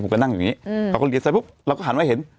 ผมก็นั่งอยู่อย่างนี้เราก็เลี้ยวซ้ายปุ๊บเราก็หันไว้เห็น